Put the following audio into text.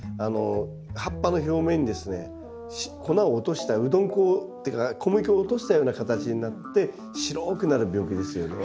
葉っぱの表面にですね粉を落としたうどん粉っていうか小麦粉を落としたような形になって白くなる病気ですよね。